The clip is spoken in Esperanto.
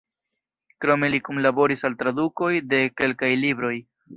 Krome li kunlaboris al tradukoj de kelkaj libroj.